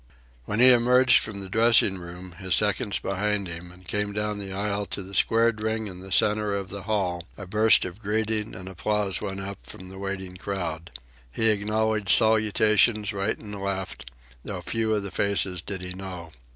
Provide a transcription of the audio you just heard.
When he emerged from the dressing room, his seconds behind him, and came down the aisle to the squared ring in the centre of the hall, a burst of greeting and applause went up from the waiting crowd. He acknowledged salutations right and left, though few of the faces did he know.